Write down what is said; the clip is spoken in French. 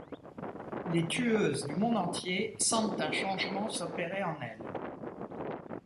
Les Tueuses du monde entier sentent un changement s'opérer en elles.